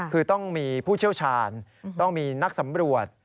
คือต้องมีผู้เชี่ยวชาญต้องมีนักสำรวจ